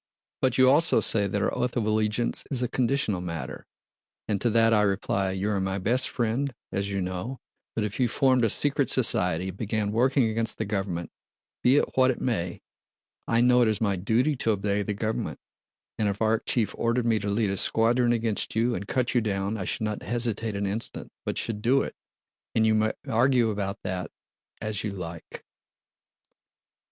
But you also say that our oath of allegiance is a conditional matter, and to that I reply: 'You are my best friend, as you know, but if you formed a secret society and began working against the government—be it what it may—I know it is my duty to obey the government. And if Arakchéev ordered me to lead a squadron against you and cut you down, I should not hesitate an instant, but should do it.' And you may argue about that as you like!"